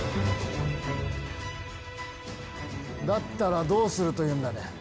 だったらどうするというんだね。